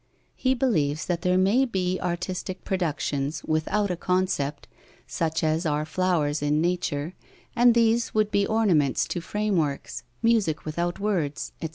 He believes that there may be artistic productions without a concept, such as are flowers in nature, and these would be ornaments to frameworks, music without words, etc.